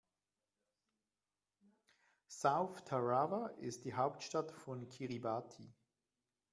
South Tarawa ist die Hauptstadt von Kiribati.